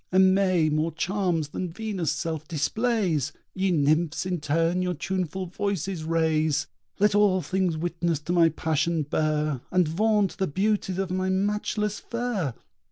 Aimée more charms than Venus' self displays! Ye Nymphs in turn your tuneful voices raise. Let all things witness to my passion bear, And vaunt the beauties of my matchless fair!